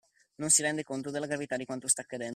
Non si rende conto della gravità di quanto sta accadendo?